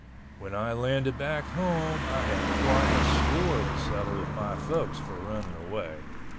When I landed back home I had quite a score to settle with my folks for running away.